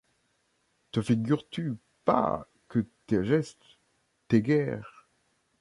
Te figures-tu pas que tes gestes, tes guerres